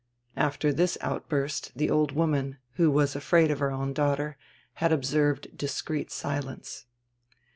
After this outburst tire old wonran, who was afraid of her own daughter, had observed discreet silence.